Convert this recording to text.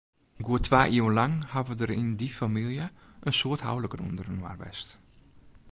Goed twa iuwen lang hawwe der yn dy famyljes in soad houliken ûnderinoar west.